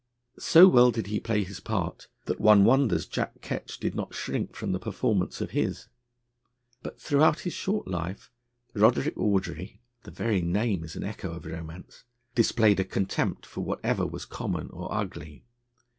So well did he play his part, that one wonders Jack Ketch did not shrink from the performance of his. But throughout his short life, Roderick Audrey the very name is an echo of romance! displayed a contempt for whatever was common or ugly.